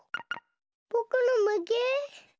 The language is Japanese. ぼくのまけ？